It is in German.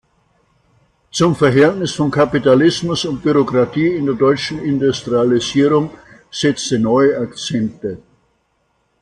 Zum Verhältnis von Kapitalismus und Bürokratie in der deutschen Industrialisierung" setzte neue Akzente.